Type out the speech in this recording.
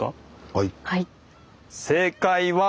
はい。